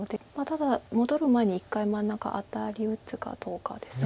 ただ戻る前に一回真ん中アタリ打つかどうかですか。